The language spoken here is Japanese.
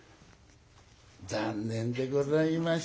残念でございました。